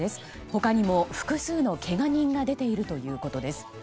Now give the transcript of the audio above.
他にも複数のけが人が出ているということです。